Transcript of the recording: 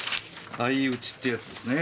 相打ちってやつですねぇ。